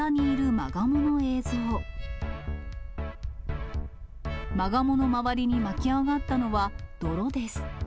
マガモの周りに巻き上がったのは泥です。